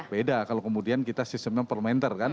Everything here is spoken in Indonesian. beda kalau kemudian kita sistemnya parlementer kan